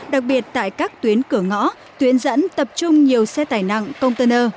đặc biệt tại các tuyến cửa ngõ tuyến dẫn tập trung nhiều xe tải nặng công tân ơ